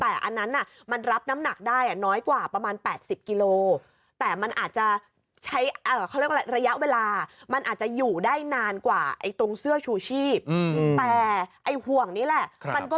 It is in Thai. แต่อันนั้นมันรับน้ำหนักได้น้อยกว่าประมาณ๘๐กิโล